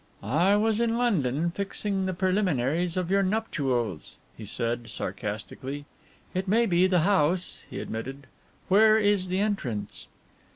"I was in London fixing the preliminaries of your nuptials," he said sarcastically. "It may be the house," he admitted; "where is the entrance?"